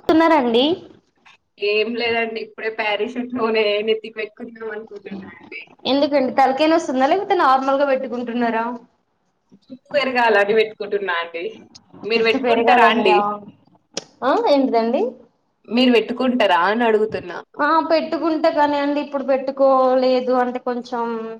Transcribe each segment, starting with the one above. స్తున్నారండి ఏమ్ లేద అండి ఇప్పుడే ప్యారిస్ట్నే మోల్ నెత్తి పెట్ క్కుందామ్ అనుకుంటు ఉన్నా న్ అండి తలకైన వస్తు ఉందా లేక కుంటే నార్మల్ గా పెట్టుకుంటు ఉన్నారా చ పెరగా అలాగ పెట్టుకుంటు ఉన్నా అండి మీరు జుట్టు పెట్టుకుంటారా అండి పెరగాలనియా ఆ ఏంటిదఅండి ఉంటారా అని అడుగుతారు ఆ పెట్టుకుంటే కాని అండి ఇప్పుడు పెట్టుకోలేదు అంటే కొంచెం మ్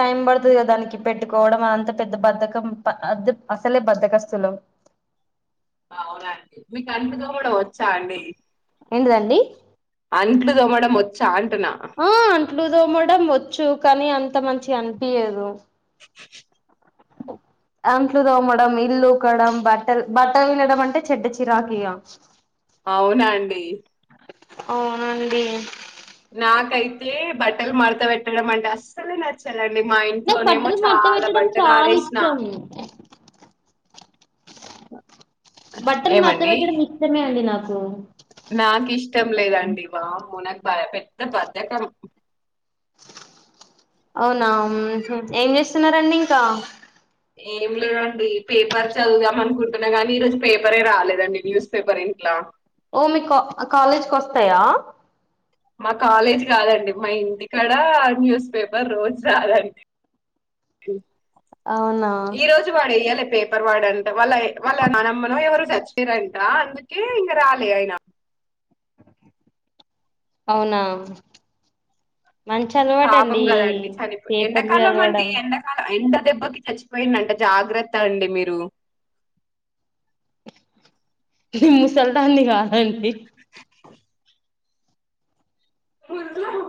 టైం పడుతుంది కదా దానికి పెట్టుకోవడం అంతా పెద్ద బధకం అసలే బద్దకస్తులు అవునా అండి మీకు అంతకు కూడా వచ్చా అండి ఏంటిదఅండి అంట్లుదో మఅడం మ్ వచ్చా అంటు ఉన్నా ఆ అట్లుదో మడం వచ్చు కానీ అంత మంచిగా అనిపియదు ఓ అంట్లు తోమ అడం మ్ ఇల్లు ఉకడం మ్ బట్టల్ బట్టలు వినడం అంటే చెడ్డ చిరాక్ ఇగా అవునా అండి అవునండి! నాకైతే, బట్టలు మడత పెట్టడం. అంటే అస్సల్ నచ్చదు. అండి, మా నాకు ఇంట్లోనేమో, బట్టలు మడత చాలా పెట్టడం బట్టలు చాలా ఆరేసిన. ఇష్టం బట్టలు మడత ఏమండి పెట్టడం. ఇష్టమే అండి నాకు. నాకు ఇష్టం లేదండి, బాబోయ్ నాక్ భయ పెద్ద బద్ధకం. అవునా! ఏం చేస్తున్నండి. ఇంకా ఏం లేదండి. పేపర్ చదువుదాం అనుకుంటున్నా గానీ ఈ రోజు పేపరే రాలేదండి, న్యూస్ పేపర్ ఇంట్లా ఓ మీక కాలేజ్కి వస్తాయా? మా కాలేజీ గాదండి. మా ఇంటి కాడ న్యూస్ పేపర్ రోజు రాదండి. అవునా ఈ రోజు వాడు ఎయ్యాలె. పేపర్ వాడంట, వాళ్ళ వాళ్ళ నానమ్మనం ఎవరు చచ్చారంట, అందుకే ఇంగ రాలే ఆయన. అవునా మంచి పాపం అలవాటండి కదండి చనిపోయి. పేపర్లు ఎండాకాలం అండి, చదవడం ఎండాకాలం ఎండ్లు దెబ్బకి చచ్చిపోయింది. అంట జాగ్రత్త అండి మీరు నీ ముసల్ దాన్ని కాదండి. ఉళ్లగు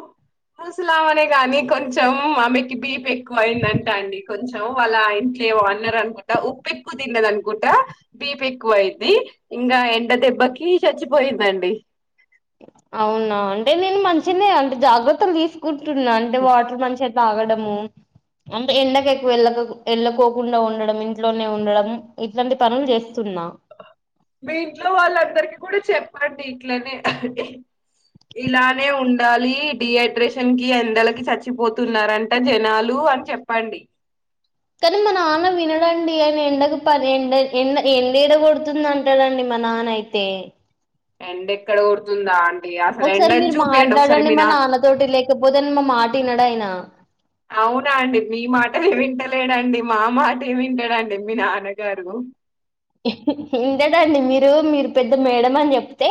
ముసలామనే గానీ, కొంచెం ఆమెకి బీప్ ఎక్కువ అయిందంటా. అండి కొంచెం వాళ్ళ ఇంట్లో ఎవో అన్నరానుకుంటా, ఉప్పు ఎక్కువ తిన్నది. అనుకుంటా బీపి ఎక్కువ అయింది. ఇంకా ఎండ దెబ్బ కీ చచ్చిపోయిందండి. అవునా, అంటే నేను మంచినే అంటే జాగ్రత్తలు తీసుకుంటున్నా, అంటే వాటర్ మంచిగా తాగడము అంటే ఎండక ఎక్కువ ఎళ్ళకోకుండా ఉండడం. ఇంట్లోనే ఉండడం, ఇట్లాంటి పనులు చేస్త మీ ఇంట్లో వాళ్ళందరికి కూడా చెప్పండి. ఇట్లనే ఇలానే ఉండాలి. డిహైడ్రేషన్ కి ఎండలకి చచ్చిపోతున్నారంట. జనాలు కు అని చెప్పండి. కానీ మా నాన్న వినడండి. ఆయన ఎండ పది ఎండ ఎ ఎండే ఎడ కొడుతుంది. అంటాడండి మ మా నాన్న అయితే ఎండ ఎక్కడ కోడుతుందా. అం ఒకసారి మీరు మాట్లాడండి. మా నాన్న తోటి లేకపోతే, మా మాట వినడు ఆయన అవునా అండి, మీ మాట ఏమింటలేడండి, మా మాట ఏమింటాడండి, మీ నాన్నగారు ఇంటడండి మీరు, మీరు పెద్ద మేడ అని చెప్తే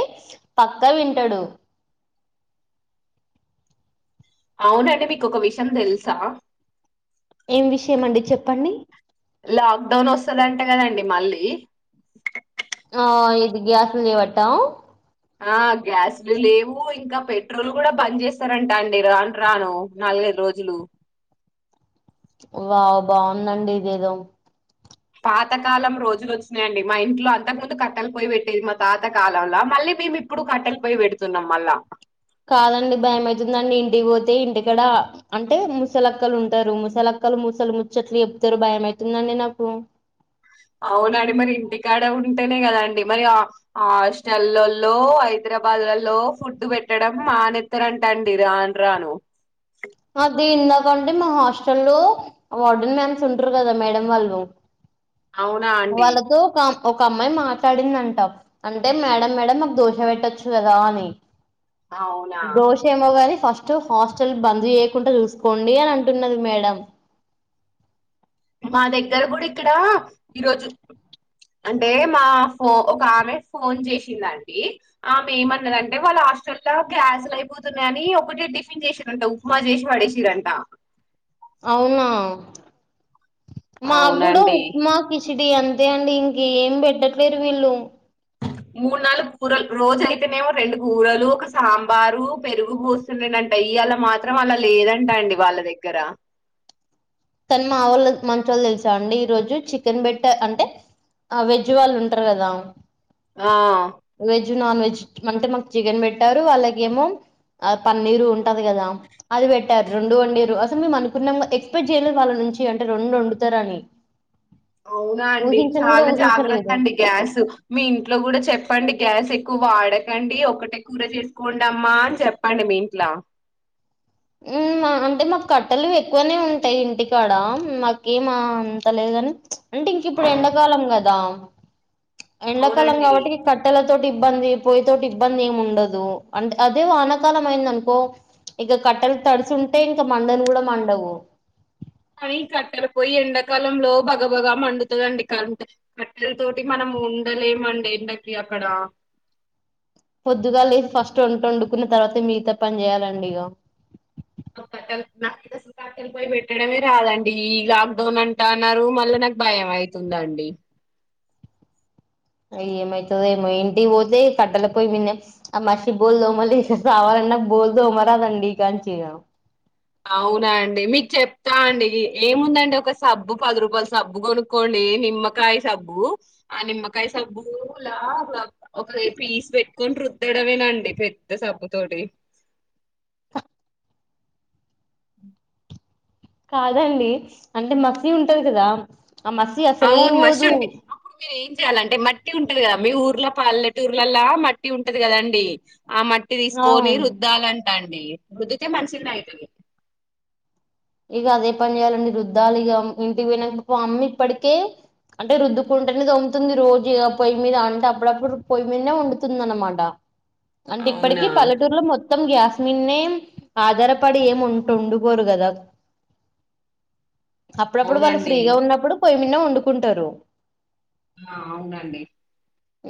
పక్కా వింటడు. అవునండి, మీకు ఒక విషయం తెలుసా? ఏం విషయం అండి చెప్పండి. లాక్డౌన్ వస్తుందంట, గదండి మళ్ళీ ఆ ఇది గ్యాస్ లు జెవటా ఆ గ్యాస్లు లేవు, ఇంకా పెట్రోల్ గూడా బంద్ చేస్తారంట. అండి రాని రాను నాలుగదు రోజులు వావ్ బాగుందండి. ఇదేదో పాతకాలం రోజు వచ్చినాయియండి. మా ఇంట్లో అంతకు ముందు కట్టలు పోయి పెట్టేది, మా పాత కాలంల మళ్ళీ మేము ఇప్పుడు కట్టలు పోయి పెడుతున్నాం. మళ్ళా కాదండి భయమవుతుందండి. ఇంటికి పోతే ఇంటి కాడ అంటే ముసలక్కలు ఉంటారు. ముసల క్కలు మూసలు ముచ్చట్లు చెప్తరు. భయ అవుతుందండి, నాకు అంటేనే, గదాండి మరి ఆ ఆహస్టల్లలో హైదరాబాద్లలో ఫుడ్ పెట్టడం. మానేస్తత్తరంట అండి, రాను రాను అది ఇందాకంటే, మా హాస్టల్ లో వర్డన్ మ్యామ్స్ ఉంటరు. గదా మేడం వాళ్ళు అవునా అండి? వాళ్ళతో కమ్ ఒక అమ్మాయి మాట్లాడిందంటా, అంటే మేడం మేడం మాకు దోష పెట్టచ్చు కదా అని. అవునా! దోష ఏమోగానీ ఫస్ట్ హాస్టల్ బంద్ చేయకుండా చూసుకోండి అని అంటున్నది మేడం. మా దగ్గర కూడా ఇక్కడా ఈరోజు అంటే మా ఫో ఒక ఆమె ఫోన్ చేసిందాంటీ, ఆమె ఏమన్నదంటే వాళ్ళ హాస్టల్లా గ్యాస్లు అయిపోతున్నయని ఒకటే టిఫిన్ చేసింరంటా ఉప్మా చేసి పడేసింరంటా. అవునా మాకూడా అవునండి. ఉప్మా, కిచి చిడి అంతే అండి ఇంకా ఏం పెట్టట్లేరు వీళ్ళు. మూడు నాలుగు కూరలు రోజు అయితేనేమో రెండు కూరలు, ఒక సాంబారు, పెరుగు పోస్తుండే అంటా ఇయాళ మాత్రం అలా లేదంట అండి వాళ్ళ దగ్గర. కని మావొళ్ళు మంచోళ్ళు తెలుసా అండి ఈరోజు చికెన్ బెట్ట అంటే ఆ వెజ్ వాళ్ళు ఉంటరుకదా ఆ వెజ్ నాన్ వెజ్ అంటే మాకు చికెన్ పెట్టారు అల్లాకేమో ఆ పన్నీరు ఉంటది కదా అది పెట్టారు. రెండు వండీర్రు అసలు మేము అనుకున్నాం ఎక్స్పెక్ట్ చేయలేదు వాళ్ళ నుంచి అంటే రెండు వండుతరని. అవునా అండి చాలా జాగ్రత్త ఊహించలేదు అండి గ్యాస్. మీ ఇంట్లో కూడా చెప్ చెప్పండి. గ్యాస్ ఎక్కువ వాడకండి, ఒకటే కూర చేసుకోండమ్మా అని చెప్పండి మీ ఇంట్లా. అంటే మాకు కట్టెలు ఎక్కువనే ఉంటయి ఇంటికాడ మాకేం మా అంతలేదు. కని అంటే ఇంక ఇప్పుడు ఎండాకాలం కదా ఎండాకాలం అవునండి కాబట్టి కట్టెలతో టి ఇబ్బంది, పొయ్యి తోటి ఇబ్బంది ఏమి ఉండదు అంటే అదే వానకాలం అయింది అనుకో ఇగ కట్టెలు తడుసుంటయి ఇంకా మండను కూడా మండవు. కానీ కట్టెలు పోయి ఎండాకాలంలో బగబగ మండుతదండి కరంటు. కట్టెల తోటి మనం ఉండలేమండి ఎండకి అక్కడా. పొద్దుగా లేసి ఫస్ట్ వంట వండుకున్న తర్వాతే మిగతా పని చేయాలండి ఇగ. ఓ కట్టెల్ నాకు గిట్ట స కట్టలపోయ్యి పెట్టడమే రాదండి. ఈ లాక్డౌన్ అంటా అన్నారు, మళ్ళా నాకు భయం అయితుందండి. ఆ ఇగా ఏమయుతదో ఏమో, ఇంటికి పోతే కట్టల పోయి మిన్నే. ఆ మషి బోల్లు తోమలేక సావాలి. నాకు బోల్లుతోమరాదండి ఇకాంచి ఇగా. అవునా అండి మీకు చెప్తా అండి. ఏముందండి ఒక సబ్బు పది రూపాల సబ్బు కొనుక్కోండి. డి నిమ్మకాయ సబ్బు, ఆ నిమ్మకాయ సబ్బులా ఒక పీస్ పెట్టుకొని రుద్ ద్దడమేనండి పెద్ద సబ్బు తోటి. ఉ కాదండి అంటే మసి ఉంటది కదా ఆ మసి అసలే అవును మషి పోదు ఉంటే అప్పుడు మీరు ఏం చెయాలంటే మ ట్టి ఉంటది కదా మీ ఊర్ల పల్లెటూర్లలల్లా మట్టి ఉంటది కదండి. ఆ మట్టి ఆ తీసుకొని రుద్దాలంట అండి రుద్దుతే మంచిగనే అయితది. ఇగ అదే పని చేయ్యాలండి రుద్దాలి ఇగ ఇంటికి పోయినంక మా అమ్మ ఇప్పటికే అంటే రుద్దుకుంటనే తోముతుంది రోజు ఇగా పొయ్యి మీద, అంటే అప్పుడప్పుడు పొయ్యి మీదనే వండుతుంది అనమాట. అంటే ఇప్పటికి అవునా పల్లెటూరులో మొత త్తం గ్యాస్ మీదనే ఆధారపడి ఏం వంట వండుకోరు కదా. అప్పుడప్పుడు వాళ్ళు అవునండి ఫ్రీగా ఉన్నప్పుడు పొయ్యమీదనే వండుకుంటరు. ఆ అవునండి.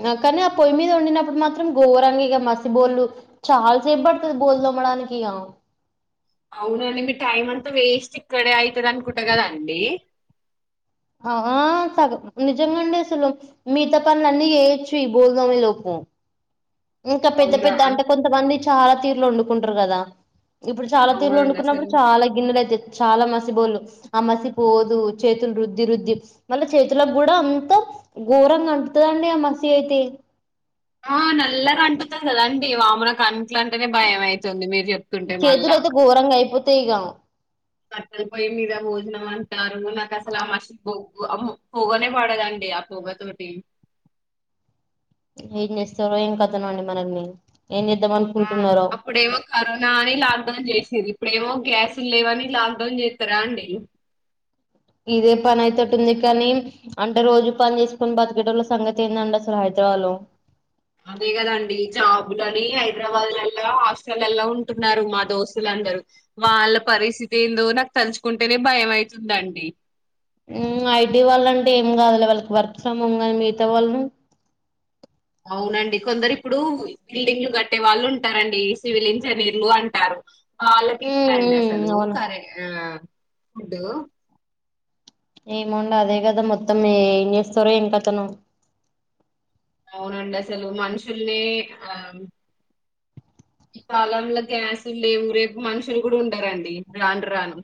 ఆ కనీ ఆ పొయ్యి మీద వండినప్పుడు మాత్రం గోరంగా ఇగా మసి బోళ్లు చాలా సేపు పడుతది మసి బోల్ తోమడానికి ఇగ అవునా అండి మీ టైమ్ అంతా వేస్ట్ ఇక్కడే అయితది అనుకుంటా కదాండి. ఆ ఆ సగ నిజంగ అండి అసలు మిగతా పనుల అన్నీ చేయొచ్చు ఈ భోజనం అయ్యె లోపు ఇంక పెద్ద అవునా పెద్ద అంటె అన్- కొంతమంది చాలా తీరులో వండుకుంటరు కదా ఇప్పుడు చాలా తీరులు అవునండి వండుకున్నప్పుడు అసలు చాలా గిన్నెలు అతయ్యి చాలా మసిబోళ్ళు ఆ మసి పోదు చేతులు రుద్ది రుద్ది మళ్ళ చేతుల గ్గూడా అంత ఘోరంగా అంటుతుదండి ఆ మసి అయితే ఆ నల్ల గా అంటుతది కదాండి వామ్మో నాకు అట్లంటేనే భయం అయితుంది మీరు చెప్తుంటే నె మళ్ళా ఇగ కట్టెల పోయి మీద భోజనం అంటారు నాకు అసలు ఆ మషి కి బొగ్గు అమ్మో పోగనే పడదండి అపోగ తోటి ఏం చేస్తారో ఏం కథనో అండి మనల్ని ఏం చేద్దాం ఆ అనుకుంటున్నారో అప్పుడేమో కరోనా అని లాక్డౌన్ చేసిర్రి ఇప్పుడేమో గ్యాస్ లేవని లాక్డౌన్ చేస్తార అండి ఇదే పని అయెటటుంది కానీ అంటే రోజు పని చేసుకొని బతకెటోళ్ళ సంగతి ఏందండి అసలు హైద హలో అదే కదండి జాబ్ లని హైదరాబాద్ లల్లో హాస్టల ల్లో ఉంటున్నారు మా దోస్తులం అందరు వాళ్ళ పరిస్థితి ఏందో నాకు తలుచుకుంటేనే భయం అయితుందండి మ్ ఐటీ వాళ్ళ అంటే ఏం కాదులే వాళ్ళకి వర్క్ ఫ్రమ్ హోమ్ గాని మిగతా వాళ్ళు అవునండి కొందరు ఇప్పుడు బిల్డింగ్లు కట్టే వాళ్ళు ఉంటారండి సివిల్ ఇంజనీర్లు అంటారు వాళ్లకి ఎట్ల ఉమ్ అండి ఉమ్ అసలు అవును కరే ఆ ఫుడ్ ఏమోండి అదే కదా మొత్తం ఏం చేస్తారు ఏం కథనో అవునండి అసలు మనుషుల్ని ఆ ఈ కాలంలో గ్యాస్ ల్లేవు రేపు మనుషులు కూడా ఉండరండి రాను రాను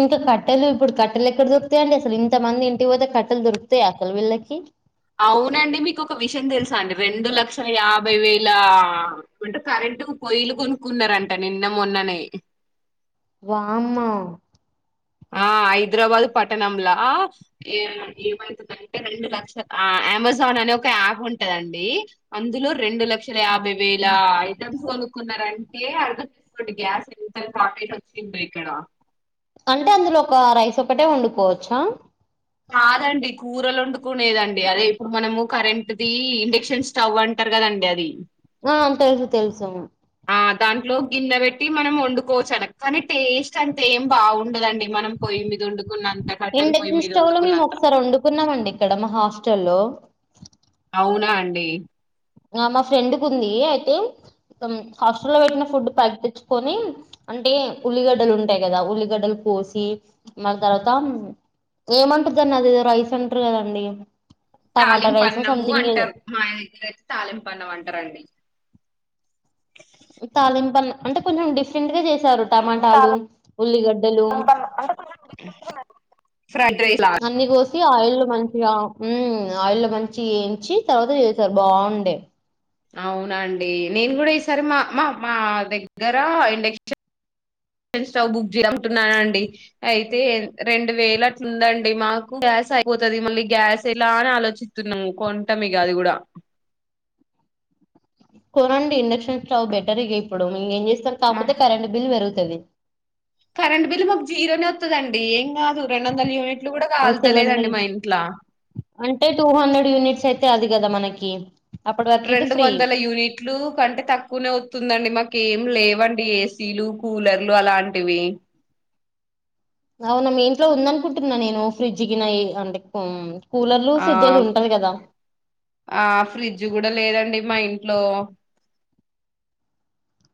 ఇంక కట్టెలు ఇప్పుడు కట్టెలు ఎక్కడ దొరుకుతాయి అండి అసలు ఇంతమంది ఇంటికి పోతే కట్టెలు దొరుకుతాయ అసలు వీళ్ళకి అవునండి మీకు ఒక విషయం తెలుసా అండి రెండు లక్ష యాభై వేల అంట కరెంటు పొయ్యలు కొనుక్కున్నారంట నిన్న మొన్ననే వామ్మో ఆ హైదరాబాద్ పట్టణంలా ఏ ఏమైతుందంటే రెండు లక్షల ఆ అమెజాన్ అని ఒక యాప్ ఉంటదండి అందులో రెండు లక్ష లక్షల యాభై వేల ఐటమ్స్ కొనుక్కున్నరండి ఏ అర్ధం చేసుకోండి గ్యాస్ ఎంత షార్టేజ్ వచ్చిందో ఇక్కడ అంటే అందులో ఒక రైస్ ఒకటే వండుకోవచ్చా అదండి కూరలు వండుకునేదండి అదే ఇప్పుడు మనము కరెంట్ దీ ఇండక్షన్ స్టవ్ అంటారు కదండి అది ఆ తెలుసు తెలుసు మ్ ఆ దాంట్లో గిన్నె పెట్టి మనం వండుకోవచ్చు అట కానీ టేస్ట్ అంత ఏం బావుండదండి మనం పోయి దీని మీద పండు ఇండక్షన్ స్టవ్ లో మేము ఒకసారి వండుకున్నాము అండి ఇక్కడ మా హాస్టల్లో అవునా అండి ఆ మా ఫ్రెండ్ కు ఉంది అయితే ఇక హాస్టల్ లో పెట్టిన ఫుడ్ పైకి తెచ్చుకొని అంటే ఉల్లిగడ్డలు ఉంటాయి కదా ఉల్లిగడ్డలు పోసి మళ్ళ తర్వాత ఏమంటదండి అది ఏదొ రైస్ అంటారు కదండి టమాటా తాలింపు రైస్ అన్నము సంథింగ్ ఏదో అంటారు మా దగ్గర అయితే తాలింపు అన్నం అంటారండి తాలింపన్న అంటే కొంచెం డిఫరెంట్ గా చేస్త స్తారు టమాటాలు ఉల్లి గడ్డలు ప్రైడ్ రైస్ లా ఆయిల్ లో మంచిగా ఉ ఆయిల్ లొ మంచిగ వేయించి తర్వాత చేశారు బావుండే అవునాండి నేను కూడా ఈసారి మా మా మా దగ్గర ఇండక్షన్ స్టవ్ బుక్ జేయ్ అంటున్నానండి అయితే రెండు వేల అట్లుందండి మాకు గ్యాస్ గ్యాస్ అయిపోతది మళ్ళీ గ్యాస్ ఎలా అని ఆలోచిస్తున్నాము కొంటమె. ఇగ అది గుడా [inaudible] కొనండి ఇండక్షన్ స్టవ్ బెటర్ ఇగ ఇప్పుడు ఎం చేస్తామ్ మా కాపోతే కరెంట్ బిల్ పెరు తది కరెంట్ బిల్లు మాకు జీరోనే వత్తదండి ఎం కా రెండోందల యూనిట్లు కూడా కల్తాలేదండి సెవెన్ మా ఇంట్లా అంటే టూ హండ్రెడ్ యూనిట్స్ అయితే అది గదా మనకి అప్పటి వరకు అయితే రెండు ఫ్రీ వందల యూనిట్లు కంటే తక్కువనే వత్తుందండి మాకు ఏం లేవు ఏసీలు కూలర్లు అలాంటివి అవునా మీ ఇంట్లో ఉంద అనుకుంటున్నా నేను ఫ్రిడ్జ్ గిన అంటే కూలర్లు ఆ ఫ్రిడ్జ్ అది ఉంటది కదా ఆ ఫ్రిడ్జ్ గూడా లేదండి మా ఇంట్లో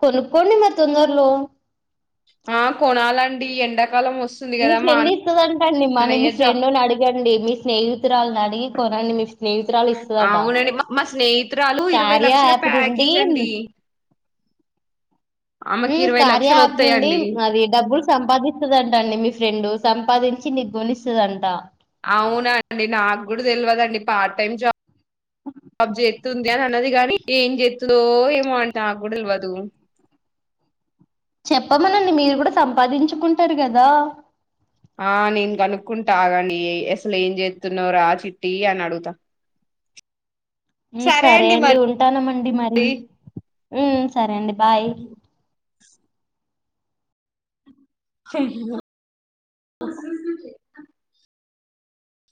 కొనుక్కోండి మరి తొందర్లో ఆ కొనాలండి ఎండ మీ ఫ్రెండ్ ఇస్తదంటండి మనీ మీ అన్నయ్య జా ఫ్రెండ్ని అడిగండి మీ స్నేహితురాలని అడిగి కొనండి స్నేహితురాలు ఇస్తదట అవునండి మా మా స్నేహితురాలు ఇరవై కార్య లక్షల యాప్ నుండి ప్యాకేజ్ [inaudible] అండి ఆమెకి మ్ ఇరవై కార్య లక్షలు యాప్ నుండి వత్తయండి అది డబ్బులు సంపాదిస్తదంట అండి మీ ఫ్రెండు సంపాదించి నీకు గొనిస్తాదంట అవునా అండి నాకు కూడా తెల్వదండీ పార్ట్ టైమ్ జాబ్ బ్ జేత్తుంది అని అన్నది గాని ఎం జేత్తదో ఏమో అండి నాక్ కూడ తెల్వదు చెప్పమనండి మీరు కూడా సంపాదించుకుంటరు కదా ఆ నేను కనుక్కుంటా ఆగండి అసలు ఏం చేస్తున్నవ్ రా చిట్టి అని అడుగుతా [unintelligible] మ్ సరే అండి ఉంటానమండి మరి ఉమ్ సరే అండి. బాయ్. [unintelligible]